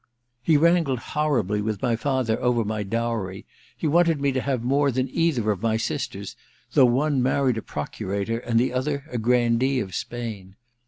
— He wrangled horribly with my father over my dowry — he wanted me to have more than either of my sisters, though one married a Procurator and the other a grandee of Spain.